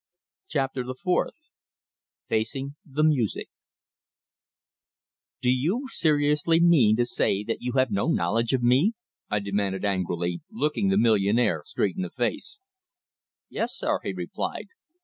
CHAPTER THE FOURTH FACING THE MUSIC "Do you seriously mean to say that you have no knowledge of me?" I demanded angrily, looking the millionaire straight in the face. "Yes, sir," he replied.